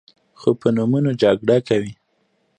خو په نومونو جګړه کوي.